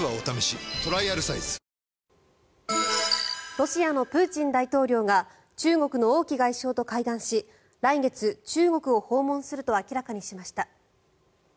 ロシアのプーチン大統領が中国の王毅外相と会談し来月、中国を訪問すると明らかにしました。